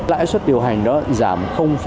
lãi suất điều hành đó giảm hai mươi năm